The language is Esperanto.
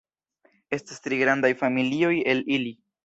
Estas tri grandaj familioj el ili.